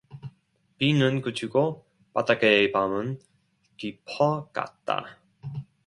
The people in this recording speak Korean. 비는 그치고 바닷가의 밤은 깊어 갔다.